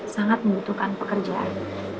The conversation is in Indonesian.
sangat membutuhkan pekerjaan